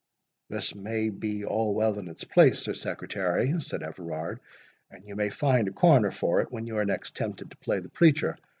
"This may be all well in its place, Sir Secretary," said Everard; "and you may find a corner for it when you are next tempted to play the preacher.